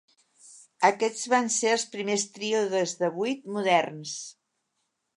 Aquests van ser els primers tríodes de buit moderns.